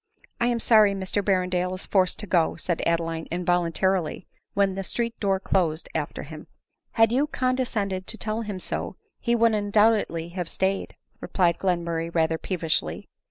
" I am sorry Mr Berrendale is forced to go," said Adeline involuntarily when the street door closed after him. " Had you condescended to tell him so, he would un doubtedly have stayed," replied Glenmurray rather peevishly.